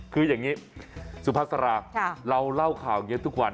คืออย่างนี้สุภาษาราเราเล่าข่าวอย่างนี้ทุกวัน